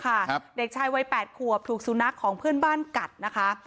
ครับเด็กชายวัยแปดขวบถูกสุนัขของเพื่อนบ้านกัดนะคะ